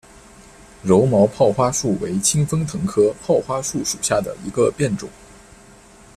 柔毛泡花树为清风藤科泡花树属下的一个变种。